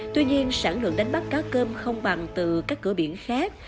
tuy nhiên sản lượng đánh bắt cá cơm không bằng từ các cửa biển khác